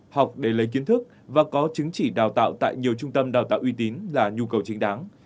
học để lấy kiến thức và có chứng chỉ đào tạo tại nhiều trung tâm đào tạo uy tín là nhu cầu chính đáng